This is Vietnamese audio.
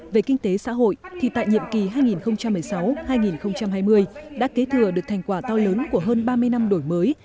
về kinh tế xã hội thì tại nhiệm kỳ hai nghìn một mươi sáu hai nghìn hai mươi đã kế thừa được thành quả to lớn của hơn ba mươi năm đổi mới